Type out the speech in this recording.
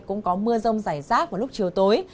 cũng có mưa rông rải rác vào lúc chiều tối